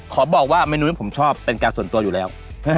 ขอบอกว่าเมนูนี้ผมชอบเป็นการส่วนตัวอยู่แล้ว